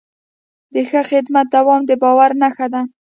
د ښه خدمت دوام د باور نښه ده.